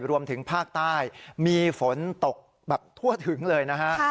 รวมถึงภาคใต้มีฝนตกแบบทั่วถึงเลยนะฮะ